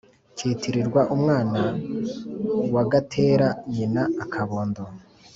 Kitirirwa umwana kagatera nyina akabondo.